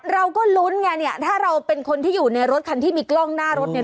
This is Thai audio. เราก็ลุ้นไงเนี่ยถ้าเราเป็นคนที่อยู่ในรถคันที่มีกล้องหน้ารถเนี่ย